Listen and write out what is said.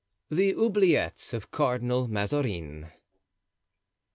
The Oubliettes of Cardinal Mazarin.